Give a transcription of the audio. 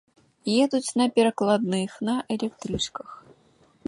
Едуць на перакладных, на электрычках.